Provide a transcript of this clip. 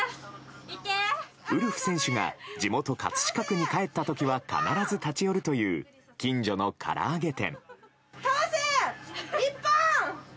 ウルフ選手が、地元・葛飾区に帰った時は必ず立ち寄るという近所のからあげ店。